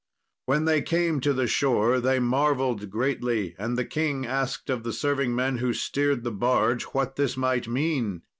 When they came to the shore they marvelled greatly, and the king asked of the serving men who steered the barge what this might mean.